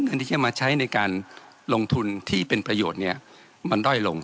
ที่จะมาใช้ในการลงทุนที่เป็นประโยชน์เนี่ยมันด้อยลง